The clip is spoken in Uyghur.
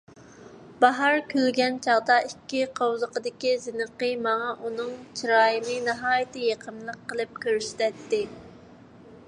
باھار كۈلگەن چاغدا ئىككى قوۋزىقىدىكى زىنىقى ماڭا ئۇنىڭ چىرايىنى ناھايىتى يېقىملىق قىلىپ كۆرسىتەتتى.